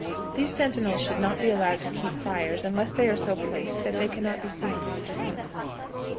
These sentinels should not be allowed to keep fires, unless they are so placed that they can not be seen from a distance.